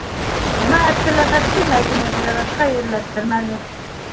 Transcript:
Ә бына Әптеләхәтте Мәҙинә зыяратҡа ерләттермәне.